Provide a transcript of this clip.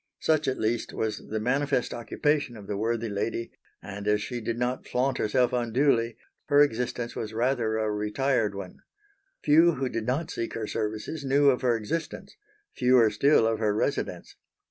Such at least was the manifest occupation of the worthy lady, and as she did not flaunt herself unduly, her existence was rather a retired one. Few who did not seek her services knew of her existence, fewer still of her residence.